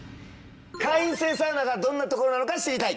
会員制サウナがどんな所なのか知りたい。